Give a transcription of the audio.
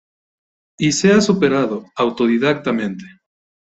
Y se ha superado autodidacta mente.